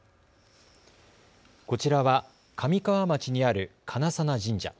こちらは神川町にある金鑚神社。